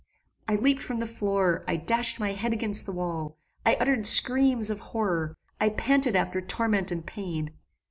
I leaped from the floor: I dashed my head against the wall: I uttered screams of horror: I panted after torment and pain.